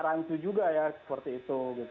rancu juga seperti itu